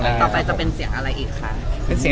ต่อไปจะเป็นเสียงอะไรอีกคะ